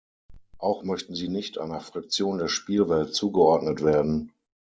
Auch möchten sie nicht einer Fraktion der Spielwelt zugeordnet werden.